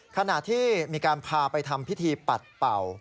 ขณะที่มีการพาไปทำพิธีปัดเป่า